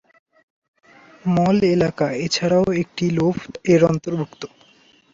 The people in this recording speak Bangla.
মল এলাকা এছাড়াও একটি লোভ এর অন্তর্ভুক্ত।